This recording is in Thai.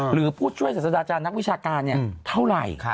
หรือพูดช่วยเศรษฐาจารย์นักวิชาการเนี่ยเท่าไร